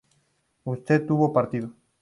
usted hubo partido